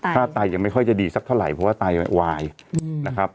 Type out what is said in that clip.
ถ้าไตยังไม่ค่อยจะดีสักเท่าไหร่เพราะว่าไตวายนะครับ